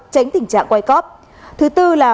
tránh tình trạng quay cóp thứ tư là